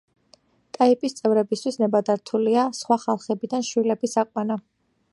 ტაიპის წევრებისთვის ნებადართულია სხვა ხალხებიდან შვილების აყვანა.